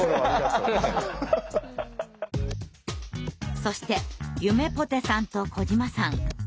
そしてゆめぽてさんと小島さん。